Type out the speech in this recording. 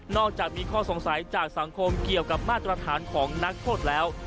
อกจากมีข้อสงสัยจากสังคมเกี่ยวกับมาตรฐานของนักโทษแล้ว